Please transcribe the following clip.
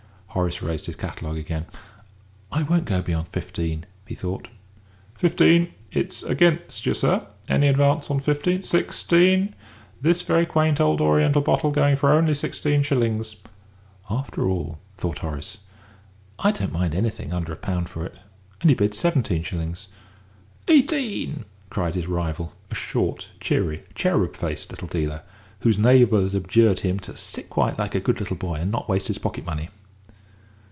Horace raised his catalogue again. "I won't go beyond fifteen," he thought. "Fifteen. It's against you, sir. Any advance on fifteen? Sixteen this very quaint old Oriental bottle going for only sixteen shillings. "After all," thought Horace, "I don't mind anything under a pound for it." And he bid seventeen shillings. "Eighteen," cried his rival, a short, cheery, cherub faced little dealer, whose neighbours adjured him to "sit quiet like a good little boy and not waste his pocket money."